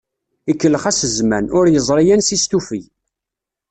Ikellex-as zzman, ur yeẓri ansi s-tufeg.